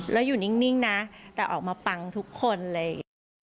แล้วอยู่นิ่งนะแต่ออกมาปังทุกคนเลย